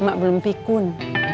mak belum pikun